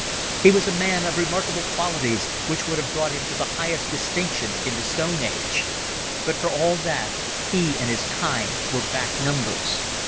He was a man of remarkable qualities, which would have brought him to the highest distinction in the Stone Age. But for all that he and his kind were back numbers.